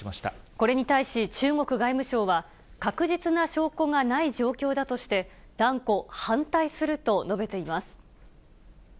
これに対し、中国外務省は、確実な証拠がない状況だとして、断固、反対すると述べています。